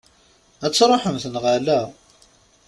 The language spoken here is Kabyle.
Ad truḥemt, neɣ ala?